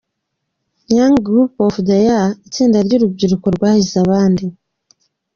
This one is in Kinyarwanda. Youth group of the year: Itsinda ry’urubyiruko rwahize abandi.